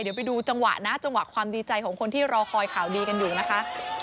เดี๋ยวไปดูจังหวะนะจังหวะความดีใจของคนที่รอคอยข่าวดีกันอยู่นะคะ